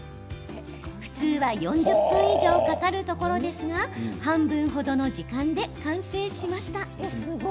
普通は４０分以上かかるところですが半分程の時間で完成しました。